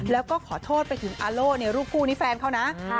แล้วก็ขอโทษไปถึงอาโล่ในรูปคู่นี้แฟนเขานะ